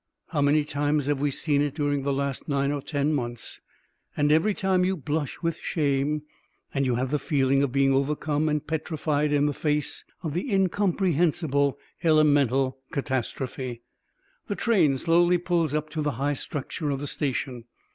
How many times have we seen it during the last nine or ten months.... And every time you blush with shame and you have the feeling of being overcome and petrified in the face of the incomprehensible, elemental catastrophe. The train slowly pulls up to the high structure of the station.